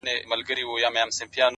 اوس مي د هغي دنيا ميـر ويـــده دی’